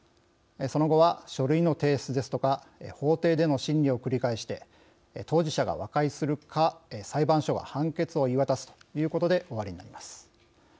その後は、書類の提出ですとか法廷での審理を繰り返して当事者が和解するか、裁判所が判決を言い渡すということで終わります。